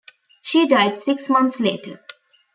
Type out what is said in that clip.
She died six months later.